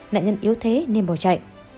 nạn nhân yếu thế nên bỏ chạy